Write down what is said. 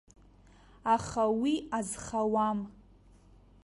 Аха уи азхауам.